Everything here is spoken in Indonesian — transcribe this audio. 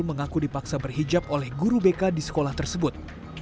mengaku dipaksa berhijab oleh guru bk di sekolah tersebut